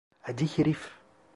Adi herif!